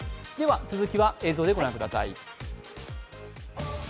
続きは映像でご覧ください。